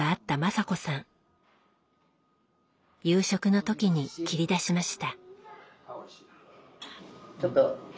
夕食の時に切り出しました。